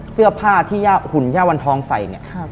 เสื้อผ้าที่ย่าหุ่นย่าวันทองใส่เนี่ย